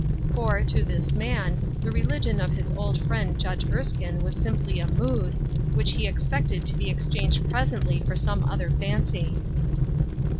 For, to this man, the religion of his old friend Judge Erskine was simply a "mood," which he expected to be exchanged presently for some other fancy.